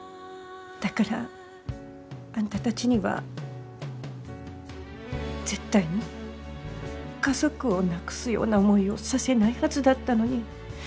だからあんたたちには絶対に家族を亡くすような思いをさせないはずだったのに。